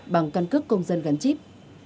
bằng căn cước công dân gắn chip